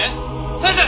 「先生！